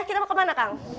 kita mau kemana kang